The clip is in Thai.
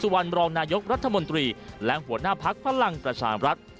สุวรรณรองนายกรัฐมนตรีและหัวหน้าภักดิ์ฝรั่งประชาบรัฐ